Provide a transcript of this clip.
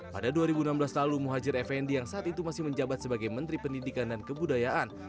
pada dua ribu enam belas lalu muhajir effendi yang saat itu masih menjabat sebagai menteri pendidikan dan kebudayaan